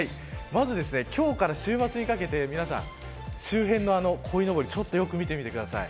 今日から週末にかけて、皆さん周辺のこいのぼりよく見てみてください。